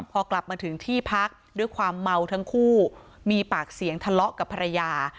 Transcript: พอกลับมาถึงที่พักด้วยความเมาทั้งคู่มีปากเสียงทะเลาะกับภรรยา